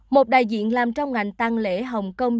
một đại diện làm trong ngành tăng lễ hồng kông